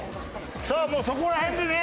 さあもうそこら辺でね